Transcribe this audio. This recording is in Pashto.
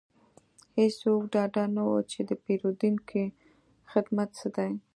هیڅوک ډاډه نه وو چې د پیرودونکو خدمت څه دی